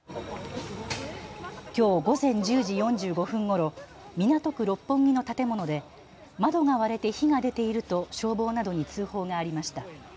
きょう午前１０時４５分ごろ、港区六本木の建物で窓が割れて火が出ていると消防などに通報がありました。